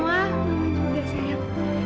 mama juga sayang